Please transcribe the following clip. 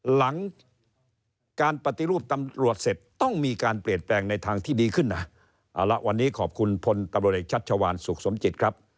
หลังการปฏิรูปตำรวจเสร็จต้องมีการเปลี่ยนแปลงในทางที่ดีขึ้นนะแล้ววันนี้ขอบคุณพตชสุขสมจิตครับ